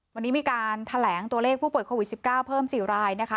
วันนี้มีการแถลงตัวเลขผู้ป่วยโควิด๑๙เพิ่ม๔รายนะคะ